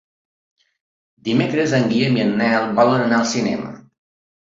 Dimecres en Guillem i en Nel volen anar al cinema.